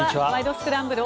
スクランブル」